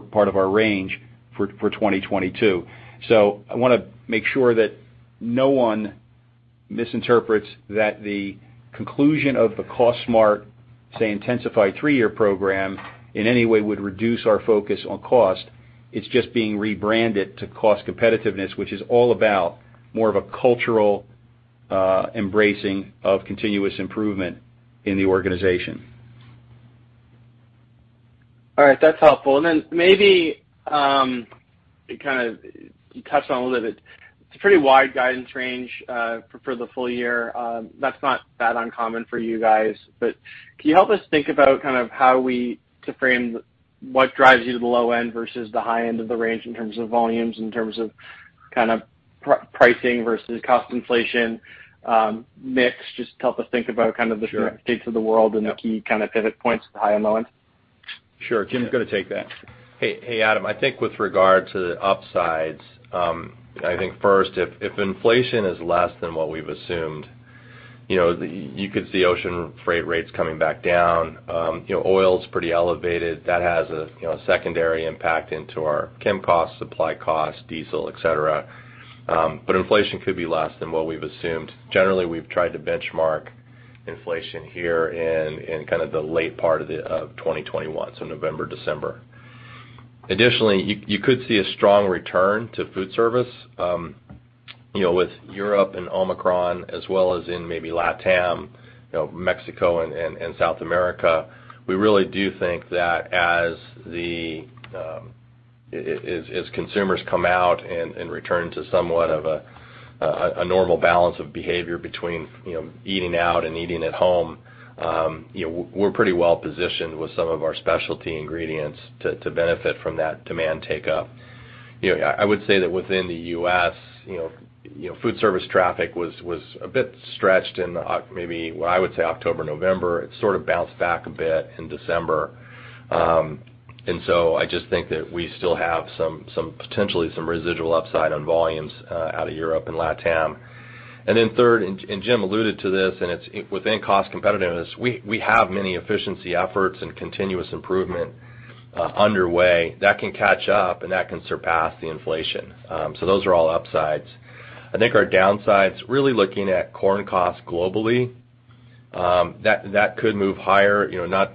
part of our range for 2022. I want to make sure that no one misinterprets that the conclusion of the Cost Smart's intensified three-year program, in any way would reduce our focus on cost. It's just being rebranded to cost competitiveness, which is all about more of a cultural embracing of continuous improvement in the organization. All right. That's helpful. Maybe, it kind of touched on a little bit. It's a pretty wide guidance range for the full year. That's not that uncommon for you guys. Can you help us think about kind of how to frame what drives you to the low end versus the high end of the range in terms of volumes, in terms of kind of pricing versus cost inflation, mix? Just help us think about kind of the Sure. States of the world and the key kind of pivot points at the high and the low end. Sure. Jim's going to take that. Hey, Adam. I think with regard to the upsides, I think first if inflation is less than what we've assumed, you know, you could see ocean freight rates coming back down. You know, oil's pretty elevated. That has a secondary impact into our chem costs, supply costs, diesel, et cetera. But inflation could be less than what we've assumed. Generally, we've tried to benchmark inflation here in kind of the late part of 2021, so November, December. Additionally, you could see a strong return to food service, you know, with Europe and Omicron as well as in maybe LATAM you know, Mexico and South America. We really do think that as consumers come out and return to somewhat of a normal balance of behavior between, you know, eating out and eating at home, you know, we're pretty well positioned with some of our specialty ingredients to benefit from that demand take up. You know, I would say that within the U.S., you know, food service traffic was a bit stretched in October, November. It sort of bounced back a bit in December. I just think that we still have some potentially some residual upside on volumes out of Europe and LATAM. Then third, Jim alluded to this, and it's within cost competitiveness. We have many efficiency efforts and continuous improvement underway that can catch up and that can surpass the inflation. So those are all upsides. I think our downsides, really looking at corn costs globally, that could move higher, you know, not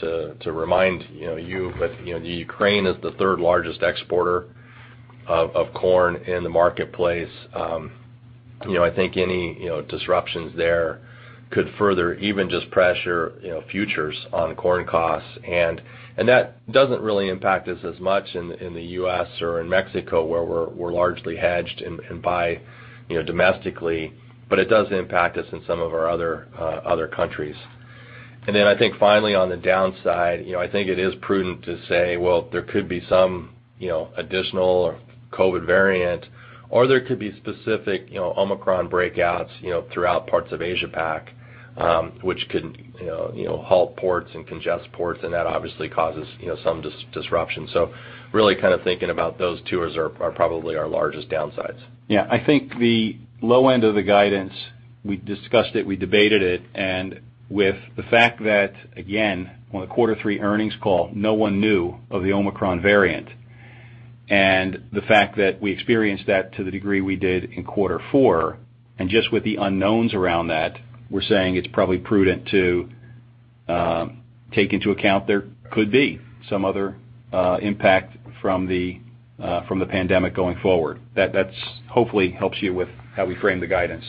to remind you, but, you know, the Ukraine is the third largest exporter of corn in the marketplace. I think any, you know, disruptions there could further even just pressure, you know, futures on corn costs. That doesn't really impact us as much in the U.S. or in Mexico where we're largely hedged and buy, you know, domestically, but it does impact us in some of our other countries. I think finally on the downside, you know, I think it is prudent to say, well, there could be some, you know, additional or COVID variant or there could be specific, you know, Omicron breakouts, you know, throughout parts of Asia Pac, which can, you know, you know, halt ports and congest ports and that obviously causes, you know, some disruption. Really kind of thinking about those two as ours are probably our largest downsides. Yeah. I think the low end of the guidance, we discussed it, we debated it. With the fact that, again, on the quarter three earnings call, no one knew of the Omicron variant and the fact that we experienced that to the degree we did in quarter four and just with the unknowns around that, we're saying it's probably prudent to take into account there could be some other impact from the pandemic going forward. That hopefully helps you with how we frame the guidance.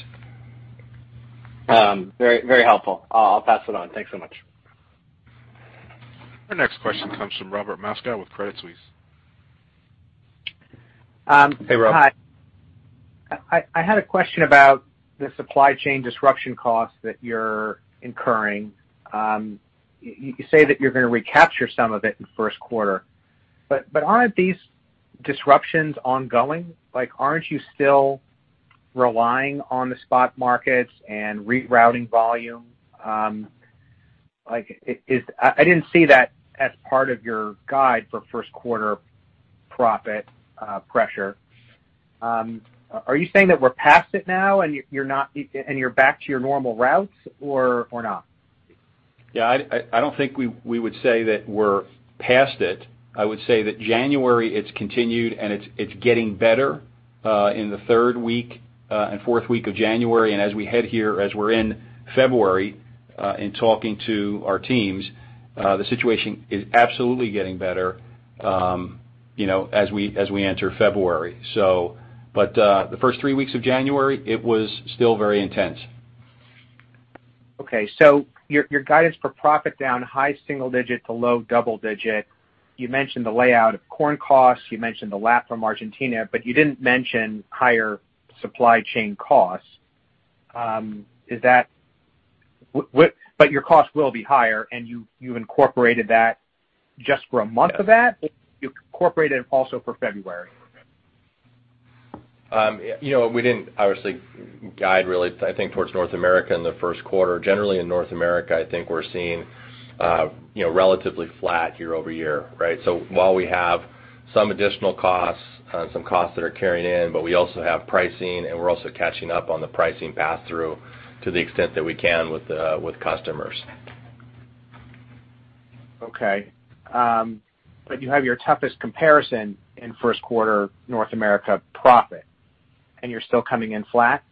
Very, very helpful. I'll pass it on. Thanks so much. Our next question comes from Robert Moskow with Credit Suisse. Hey, Rob. Hi. I had a question about the supply chain disruption costs that you're incurring. You say that you're going to recapture some of it in first quarter. Aren't these disruptions ongoing? Like, aren't you still relying on the spot markets and rerouting volume? I didn't see that as part of your guide for first quarter profit pressure. Are you saying that we're past it now and you're back to your normal routes or not? Yeah, I don't think we would say that we're past it. I would say that January, it's continued, and it's getting better in the third week and fourth week of January. As we head here, as we're in February, in talking to our teams, the situation is absolutely getting better, you know, as we enter February. But the first three weeks of January, it was still very intense. Your guidance for profit down high single-digit% to low double-digit%. You mentioned the outlook for corn costs, you mentioned the lag from Argentina, but you didn't mention higher supply chain costs. Your costs will be higher, and you incorporated that just for a month of that? You incorporated it also for February. You know, we didn't obviously guide really, I think, towards North America in the first quarter. Generally, in North America, I think we're seeing, you know, relatively flat year-over-year, right? While we have some additional costs, some costs that are carrying in, but we also have pricing, and we're also catching up on the pricing passthrough to the extent that we can with customers. Okay. You have your toughest comparison in first quarter North America profit, and you're still coming in flat?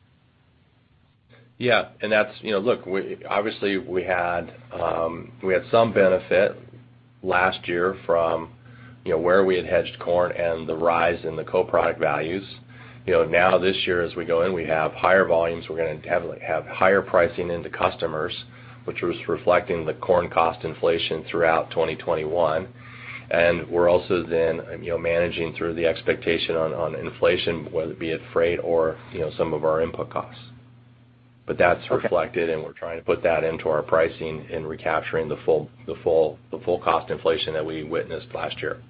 Yeah. That's, you know, look, we obviously had some benefit last year from, you know, where we had hedged corn and the rise in the co-product values. You know, now this year, as we go in, we have higher volumes. We're going to have higher pricing into customers, which was reflecting the corn cost inflation throughout 2021. We're also then, you know, managing through the expectation on inflation, whether it be at freight or, you know, some of our input costs. That's reflected, and we're trying to put that into our pricing and recapturing the full cost inflation that we witnessed last year.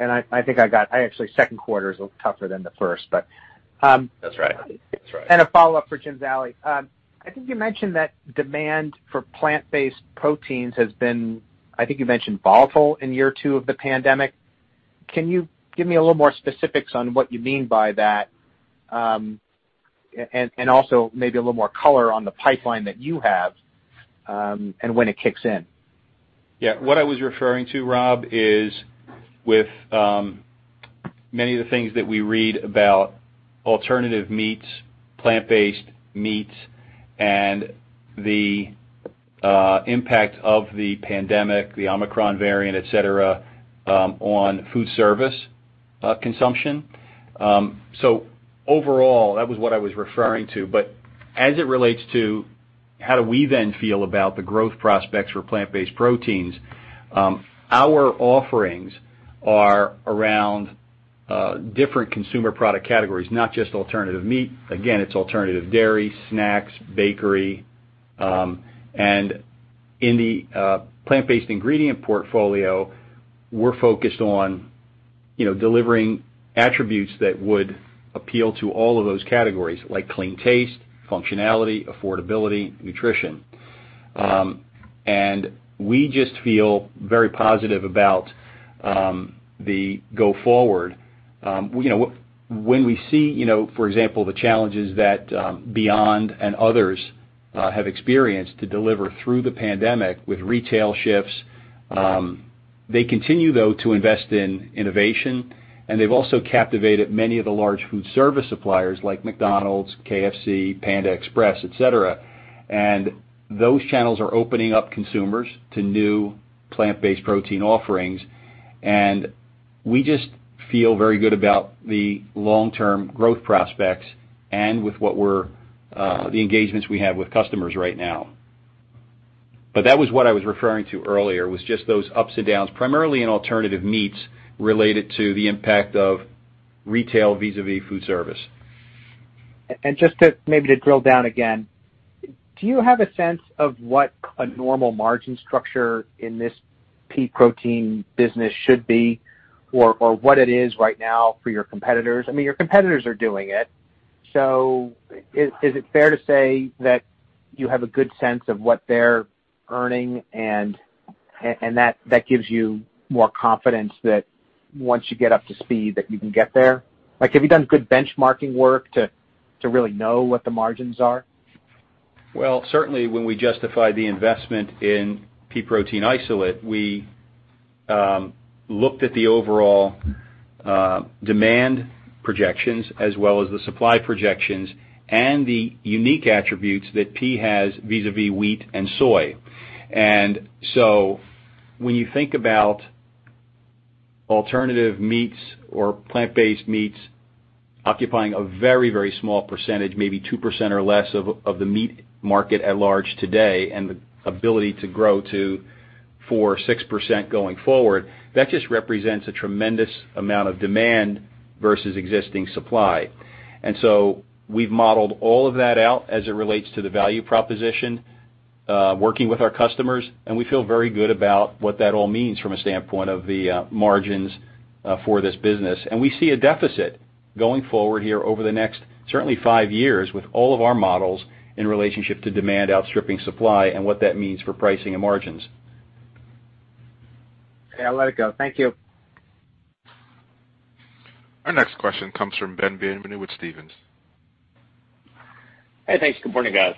I think, actually, second quarter is a little tougher than the first, but That's right. That's right. A follow-up for Jim Zallie. I think you mentioned that demand for plant-based proteins has been volatile in year two of the pandemic. Can you give me a little more specifics on what you mean by that? And also maybe a little more color on the pipeline that you have, and when it kicks in. Yeah. What I was referring to, Rob, is with many of the things that we read about alternative meats, plant-based meats, and the impact of the pandemic, the Omicron variant, et cetera, on food service consumption. Overall, that was what I was referring to. As it relates to how do we then feel about the growth prospects for plant-based proteins, our offerings are around different consumer product categories, not just alternative meat. Again, it's alternative dairy, snacks, bakery. And in the plant-based ingredient portfolio, we're focused on, you know, delivering attributes that would appeal to all of those categories, like clean taste, functionality, affordability, nutrition. And we just feel very positive about the go forward. You know, when we see, you know, for example, the challenges that Beyond Meat and others have experienced to deliver through the pandemic with retail shifts, they continue, though, to invest in innovation, and they've also captivated many of the large food service suppliers like McDonald's, KFC, Panda Express, et cetera. Those channels are opening up consumers to new plant-based protein offerings, and we just feel very good about the long-term growth prospects and with the engagements we have with customers right now. That was what I was referring to earlier, was just those ups and downs, primarily in alternative meats related to the impact of retail vis-à-vis food service. Maybe to drill down again, do you have a sense of what a normal margin structure in this pea protein business should be or what it is right now for your competitors? I mean, your competitors are doing it. Is it fair to say that you have a good sense of what they're earning and that gives you more confidence that once you get up to speed, that you can get there? Like, have you done good benchmarking work to really know what the margins are? Certainly when we justify the investment in pea protein isolate, we looked at the overall demand projections as well as the supply projections and the unique attributes that pea has vis-à-vis wheat and soy. When you think about alternative meats or plant-based meats occupying a very, very small percentage, maybe 2% or less of the meat market at large today, and the ability to grow to 4% or 6% going forward, that just represents a tremendous amount of demand versus existing supply. We've modeled all of that out as it relates to the value proposition working with our customers, and we feel very good about what that all means from a standpoint of the margins for this business. We see a deficit going forward here over the next certainly five years with all of our models in relationship to demand outstripping supply and what that means for pricing and margins. Okay, I'll let it go. Thank you. Our next question comes from Ben Bienvenu with Stephens. Hey, thanks. Good morning, guys.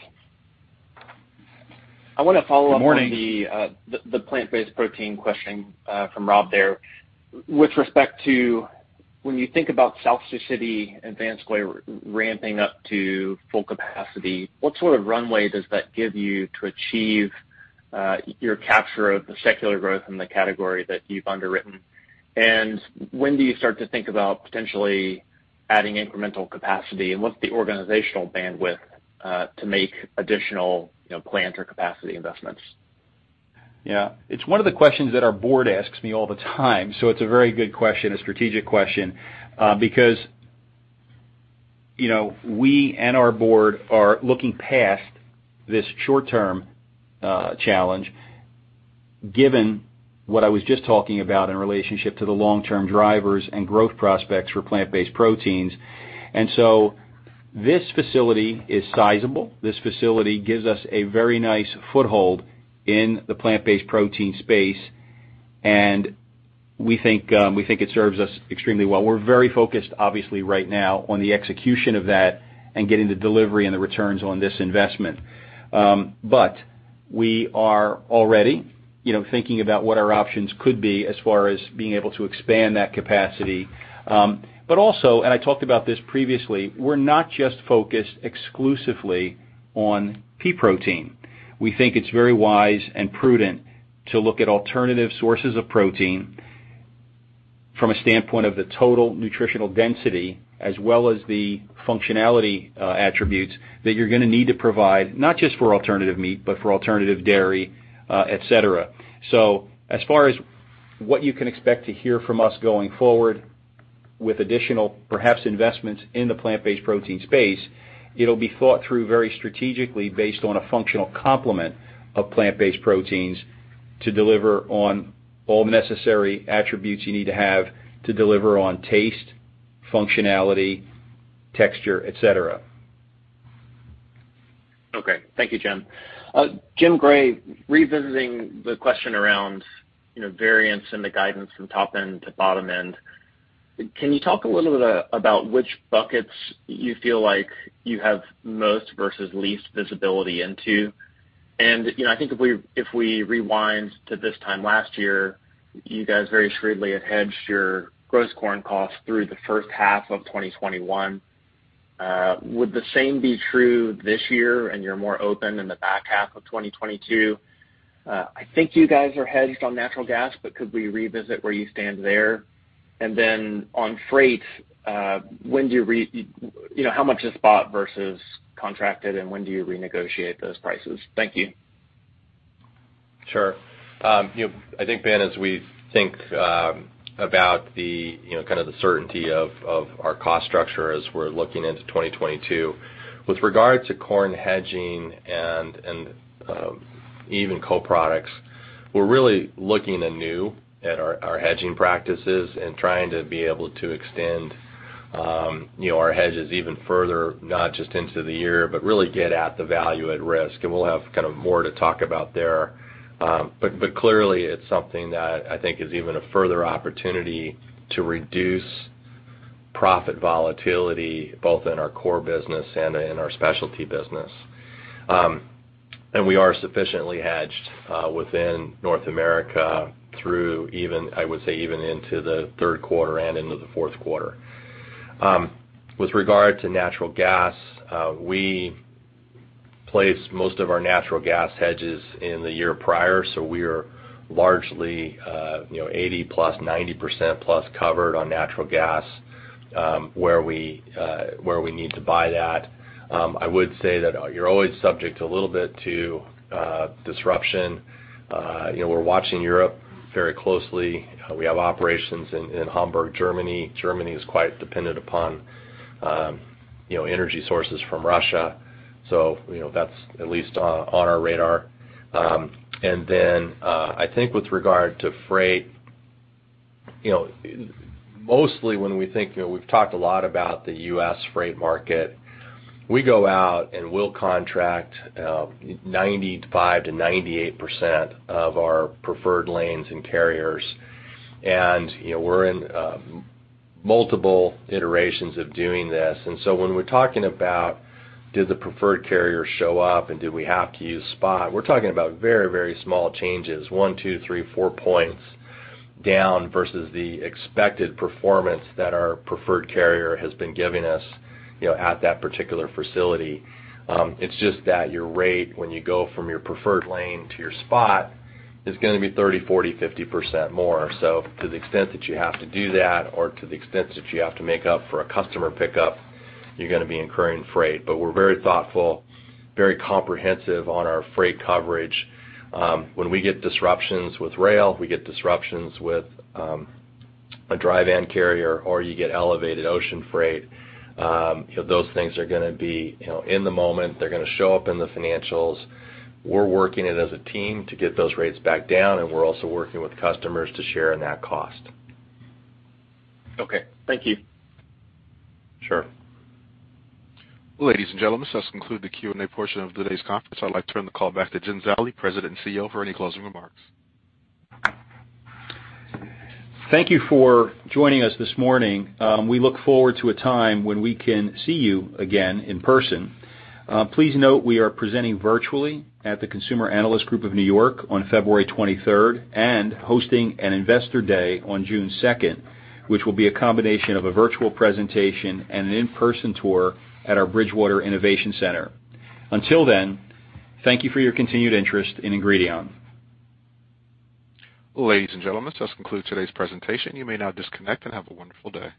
I want to follow up on the plant-based protein question from Rob there. With respect to when you think about South Sioux City and Vanscoy ramping up to full capacity, what sort of runway does that give you to achieve your capture of the secular growth in the category that you've underwritten? And when do you start to think about potentially adding incremental capacity, and what's the organizational bandwidth to make additional, you know, plant or capacity investments? Yeah. It's one of the questions that our board asks me all the time, so it's a very good question, a strategic question. Because, you know, we and our board are looking past this short-term challenge given what I was just talking about in relationship to the long-term drivers and growth prospects for plant-based proteins. This facility is sizable. This facility gives us a very nice foothold in the plant-based protein space, and we think it serves us extremely well. We're very focused obviously right now on the execution of that and getting the delivery and the returns on this investment. But we are already, you know, thinking about what our options could be as far as being able to expand that capacity. But also, and I talked about this previously, we're not just focused exclusively on pea protein. We think it's very wise and prudent to look at alternative sources of protein from a standpoint of the total nutritional density as well as the functionality, attributes that you're going to need to provide not just for alternative meat but for alternative dairy, et cetera. As far as what you can expect to hear from us going forward with additional perhaps investments in the plant-based protein space, it'll be thought through very strategically based on a functional complement of plant-based proteins to deliver on all the necessary attributes you need to have to deliver on taste, functionality, texture, et cetera. Okay. Thank you, Jim. James Gray, revisiting the question around, you know, variance in the guidance from top end to bottom end, can you talk a little bit about which buckets you feel like you have most versus least visibility into? You know, I think if we rewind to this time last year, you guys very shrewdly hedged your gross corn costs through the first half of 2021. Would the same be true this year and you're more open in the back half of 2022? I think you guys are hedged on natural gas, but could we revisit where you stand there? Then on freight, you know, how much is spot versus contracted, and when do you renegotiate those prices? Thank you. Sure. You know, I think, Ben, as we think about the certainty of our cost structure as we're looking into 2022, with regard to corn hedging and even co-products, we're really looking anew at our hedging practices and trying to be able to extend our hedges even further, not just into the year, but really get at the value at risk. We'll have kind of more to talk about there. But clearly it's something that I think is even a further opportunity to reduce profit volatility both in our core business and in our specialty business. We are sufficiently hedged within North America through even, I would say, even into the third quarter and into the fourth quarter. With regard to natural gas, we place most of our natural gas hedges in the year prior, so we are largely, you know, 80+, 90%+ covered on natural gas, where we need to buy that. I would say that you're always subject a little bit to disruption. You know, we're watching Europe very closely. We have operations in Hamburg, Germany. Germany is quite dependent upon, you know, energy sources from Russia, so, you know, that's at least on our radar. I think with regard to freight, you know, mostly when we think, you know, we've talked a lot about the U.S. freight market. We go out and we'll contract 95%-98% of our preferred lanes and carriers. You know, we're in multiple iterations of doing this. When we're talking about do the preferred carriers show up and do we have to use spot, we're talking about very, very small changes, one, two, three, four points down versus the expected performance that our preferred carrier has been giving us, you know, at that particular facility. It's just that your rate when you go from your preferred lane to your spot is going to be 30%, 40%, 50% more. To the extent that you have to do that or to the extent that you have to make up for a customer pickup, you're going to be incurring freight. We're very thoughtful, very comprehensive on our freight coverage. When we get disruptions with rail, we get disruptions with a dry van carrier or you get elevated ocean freight, you know, those things are going to be, you know, in the moment. They're going to show up in the financials. We're working it as a team to get those rates back down, and we're also working with customers to share in that cost. Okay, thank you. Sure. Ladies and gentlemen, this does conclude the Q&A portion of today's conference. I'd like to turn the call back to Jim Zallie, President and CEO, for any closing remarks. Thank you for joining us this morning. We look forward to a time when we can see you again in person. Please note we are presenting virtually at the Consumer Analyst Group of New York on February twenty-third and hosting an investor day on June second, which will be a combination of a virtual presentation and an in-person tour at our Bridgewater Innovation Center. Until then, thank you for your continued interest in Ingredion. Ladies and gentlemen, this concludes today's presentation. You may now disconnect and have a wonderful day.